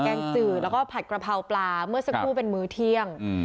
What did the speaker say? งจืดแล้วก็ผัดกระเพราปลาเมื่อสักครู่เป็นมื้อเที่ยง